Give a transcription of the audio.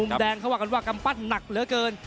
แดงเขาว่ากันว่ากำปั้นหนักเหลือเกิน